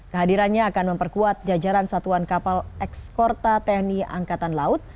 kehadirannya akan memperkuat jajaran satuan kapal ekskorta tni angkatan laut